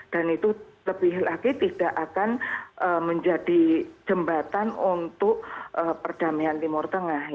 dan itu lebih lagi tidak akan menjadi jembatan untuk perdamaian timur tengah